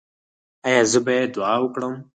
ایا زه باید دعا وکړم؟